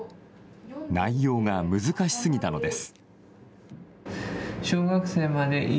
内容が難しすぎたのです。